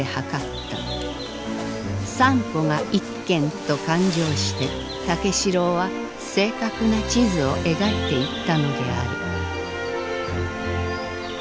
３歩が１間と勘定して武四郎は正確な地図を描いていったのである。